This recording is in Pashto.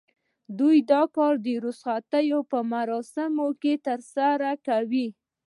دوی دا کار د رخصتیو په موسم کې ترسره کوي